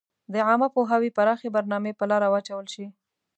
د عامه پوهاوي پراخي برنامي په لاره واچول شي.